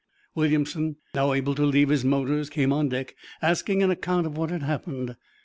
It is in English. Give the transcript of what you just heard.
Williamson, now able to leave his motors, came on deck, asking an account of what had happened.